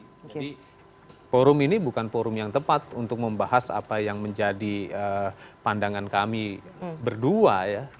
jadi forum ini bukan forum yang tepat untuk membahas apa yang menjadi pandangan kami berdua